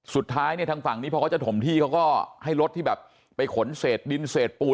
สุดท้ายเนี่ยทางฝั่งนี้พอเขาจะถมที่เขาก็ให้รถที่แบบไปขนเศษดินเศษปูน